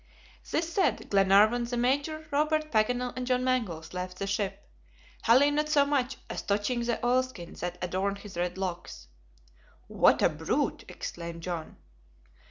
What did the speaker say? This said, Glenarvan, the Major, Robert, Paganel, and John Mangles left the ship, Halley not so much as touching the oilskin that adorned his red locks. "What a brute," exclaimed John.